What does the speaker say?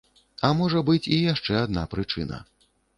А можа быць і яшчэ адна прычына.